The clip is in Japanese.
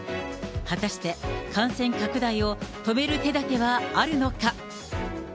果たして、感染拡大を止める手だてはあるのか。